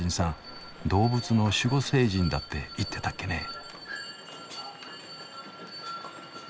「動物の守護聖人だ」って言ってたっけねえ。